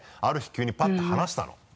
ある日急にパッと話したの。